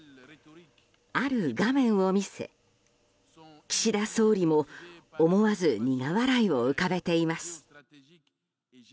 ある画面を見せ、岸田総理も思わず苦笑いを浮かべています。